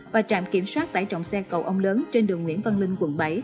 và trạm kiểm soát tải trọng xe cầu ông lớn trên đường nguyễn văn linh quận bảy